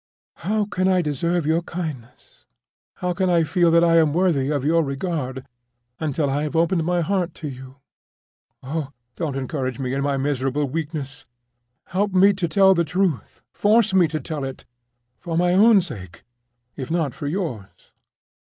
"How can I deserve your kindness, how can I feel that I am worthy of your regard, until I have opened my heart to you? Oh, don't encourage me in my own miserable weakness! Help me to tell the truth—force me to tell it, for my own sake if not for yours!"